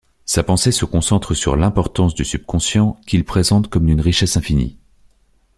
Sa pensée se concentre sur l'importance du subconscient, qu'il présente comme d'une richesse infinie.